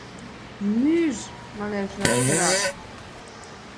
Нӱж, манеш, вашкерак!